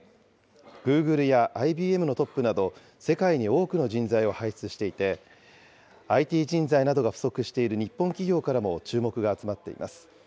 グーグルやＩＢＭのトップなど、世界に多くの人材を輩出していて、ＩＴ人材などが不足している日本企業からも注目が集まっています。